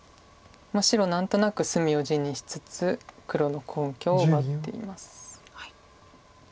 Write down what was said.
白何となく隅を地にしつつ黒の根拠を奪っています。